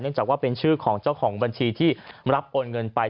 จากว่าเป็นชื่อของเจ้าของบัญชีที่รับโอนเงินไป